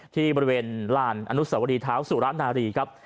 ที่บริเวณลานอนุสวรีเท้าสุระนารีครับ